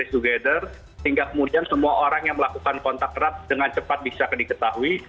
sehingga kemudian semua orang yang melakukan kontak erat dengan cepat bisa diketahui